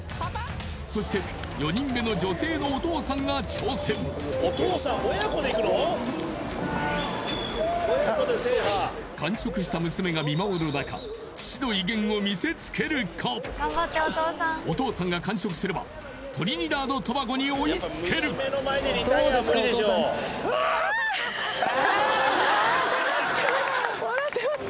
そして４人目の女性のお父さんが挑戦完食した娘が見守る中父の威厳を見せつけるかお父さんが完食すればトリニダード・トバゴに追いつける笑ってます